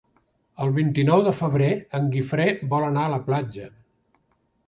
El vint-i-nou de febrer en Guifré vol anar a la platja.